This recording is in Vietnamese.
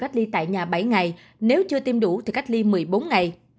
cách ly tại nhà bảy ngày nếu chưa tiêm đủ thì cách ly một mươi bốn ngày